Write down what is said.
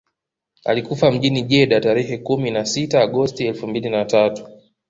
Alikufa mjini Jeddah tarehe kumi na sita Agosti elfu mbili na tatu